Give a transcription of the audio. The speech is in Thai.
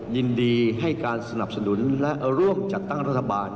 ยินดีให้การสนับสนุนและร่วมจัดตั้งรัฐบาล